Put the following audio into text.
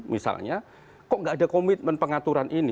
misalnya kok nggak ada komitmen pengaturan ini